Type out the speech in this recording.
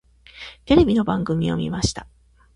テレビの番組を見ました。